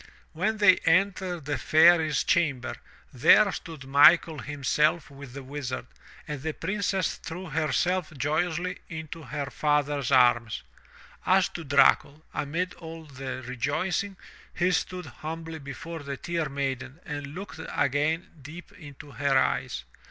When they entered the Fairy's chamber, there stood Michael himself with the Wizard, and the Princess threw herself joyously into her father's arms. As to Dracul, amid all the rejoicing, he stood humbly before the Tear Maiden and looked again deep into her eyes.